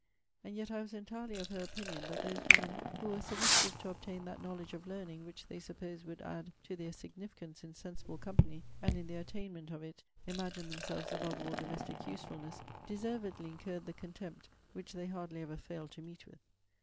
And yet I was entirely of her opinion, that those women, who were solicitous to obtain that knowledge of learning which they supposed would add to their significance in sensible company, and in their attainment of it imagined themselves above all domestic usefulness, deservedly incurred the contempt which they hardly ever failed to meet with.